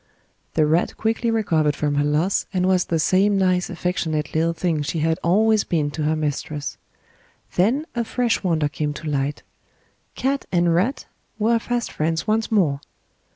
The rat quickly recovered from her loss and was the same nice affectionate little thing she had always been to her mistress; then a fresh wonder came to light cat and rat were fast friends once more!